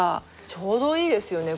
ちょうどいいですよね